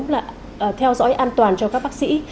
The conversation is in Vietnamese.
là theo dõi an toàn cho các bác sĩ